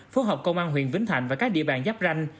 phố học công an huyện vĩnh thạnh và các địa bàn giáp ranh